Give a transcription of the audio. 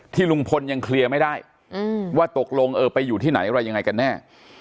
ลุงพลยังเคลียร์ไม่ได้ว่าตกลงเออไปอยู่ที่ไหนอะไรยังไงกันแน่